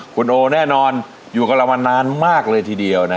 คนโอแน่นอนอยู่กับเรามานานมากเลย